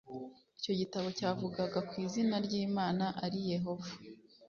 icyo gitabo cyavugaga ko izina ry imana ari yehova